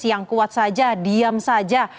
yang kuat saja diam saja